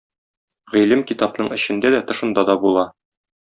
Гыйлем китапның эчендә дә, тышында да була.